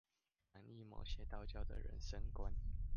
反映某些道教的人生觀